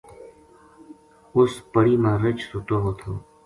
اُس پڑی ما رچھ سُتو وو تھو